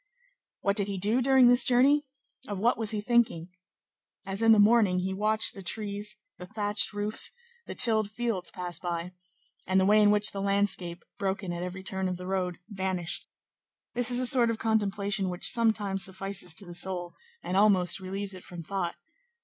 What did he do during this journey? Of what was he thinking? As in the morning, he watched the trees, the thatched roofs, the tilled fields pass by, and the way in which the landscape, broken at every turn of the road, vanished; this is a sort of contemplation which sometimes suffices to the soul, and almost relieves it from thought.